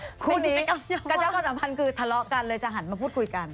คู่นี้กระเจ้าความสัมพันธ์คือทะเลาะกันเลยจะหันมาพูดคุยกัน